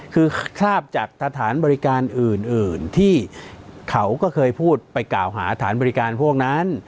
คือทราบจากสถานบริการอื่นที่เขาก็เคยพูดไปกล่าวหาฐานบริการพวกนั้น